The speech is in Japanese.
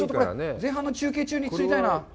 前半の中継中に釣りたいな。